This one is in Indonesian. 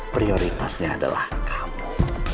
prioritasnya adalah kamu